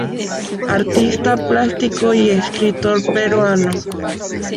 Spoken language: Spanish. Artista plástico y escritor peruano.